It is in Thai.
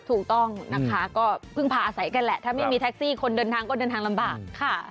ถูกต้องนะคะก็พึ่งพาอาศัยกันแหละถ้าไม่มีแท็กซี่คนเดินทางก็เดินทางลำบากค่ะ